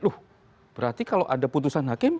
loh berarti kalau ada putusan hakim